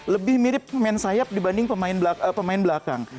lebih mirip pemain sayap dibanding pemain belakang